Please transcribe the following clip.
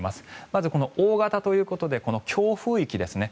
まず、大型ということで強風域ですね